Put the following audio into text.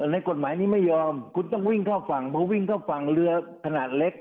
ในกฎหมายนี้ไม่ยอมคุณต้องวิ่งเข้าฝั่งพอวิ่งเข้าฝั่งเรือขนาดเล็ก